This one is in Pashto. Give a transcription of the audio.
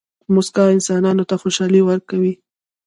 موسکا انسانانو ته خوشحالي ورکوي.